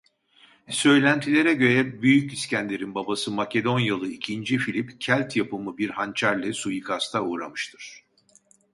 Söylentilere göre Büyük İskender'in babası Makedonyalı ikinci Filip Kelt yapımı bir hançerle suikasta uğramıştır.